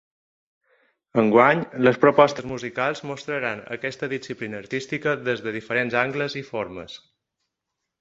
Enguany, les propostes musicals mostraran aquesta disciplina artística des de diferents angles i formes.